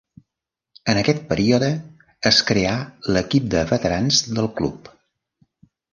En aquest període es creà l'equip de veterans del club.